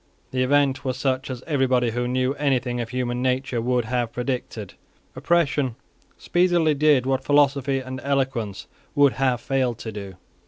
The event was such as everybody who knew anything of human nature would have predicted. Oppression speedily did what philosophy and eloquence would have failed to do.